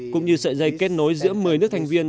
cũng như sợi dây kết nối giữa một mươi nước thành viên